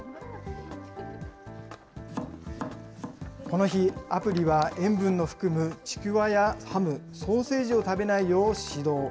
この日、アプリは塩分の含むちくわやハム・ソーセージを食べないよう指導。